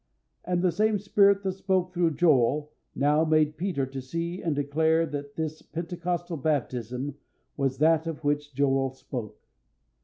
And the same Spirit that spoke through Joel now made Peter to see and declare that this Pentecostal baptism was that of which Joel spoke.